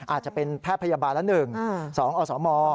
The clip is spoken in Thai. อาจจะเป็นแพทยบาลละหนึ่งส่ออสม